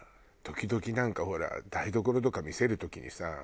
時々なんかほら台所とか見せる時にさ。